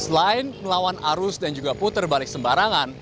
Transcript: selain melawan arus dan juga puter balik sembarangan